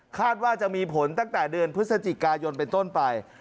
ว่าจะมีผลตั้งแต่เดือนพฤศจิกายนเป็นต้นไป